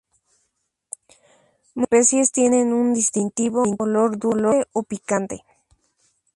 Muchas especies tienen un distintivo olor dulce o picante.